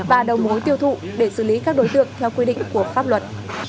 và đầu mối tiêu thụ để xử lý các đối tượng theo quy định của pháp luật